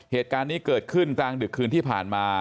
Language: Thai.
เหตุการณ์นี้เกิดขึ้นกลางดึกคืนที่ผ่านมา